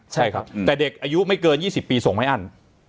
ใช่ครับแต่เด็กอายุไม่เกิน๒๐ปีส่งไม่อั้น